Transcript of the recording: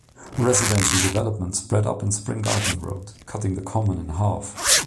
Residential development spread up Spring Garden Road, cutting the Common in half.